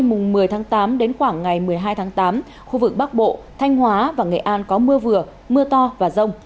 chiều tối mai một mươi tám đến khoảng ngày một mươi hai tám khu vực bắc bộ thanh hóa và nghệ an có mưa vừa mưa to và rông